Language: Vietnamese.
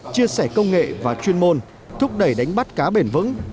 chia sẻ công nghệ và chuyên môn thúc đẩy đánh bắt cá bền vững